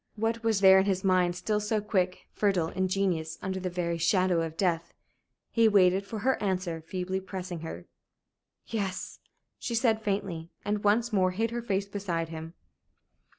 What was there in his mind, still so quick, fertile, ingenious, under the very shadow of death? He waited for her answer, feebly pressing her hand. "Yes," she said, faintly, and once more hid her face beside him.